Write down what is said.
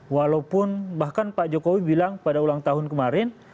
walaupun bahkan pak jokowi bilang pada ulang tahun kemarin